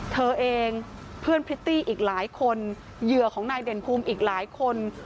เธอเองเพื่อนพริตตี้อีกหลายคนเหยื่อของนายเด่นภูมิอีกหลายคน